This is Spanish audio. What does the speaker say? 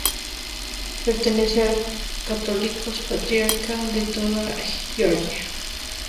Pertenece al Catolicós Patriarca de toda Georgia.